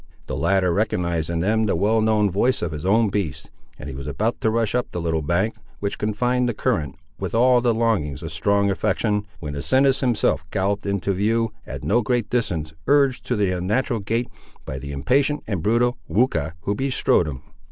The latter recognised in them the well known voice of his own beast, and he was about to rush up the little bank, which confined the current, with all the longings of strong affection, when Asinus himself galloped into view, at no great distance, urged to the unnatural gait by the impatient and brutal Weucha, who bestrode him.